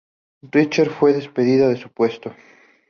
Richter fue despedida de su puesto.